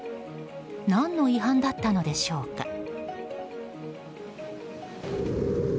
何の違反だったのでしょうか。